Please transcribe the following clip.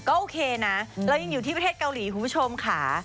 ก็โอเคนะเรายังอยู่ที่ประเทศเกาหลีคุณผู้ชมค่ะ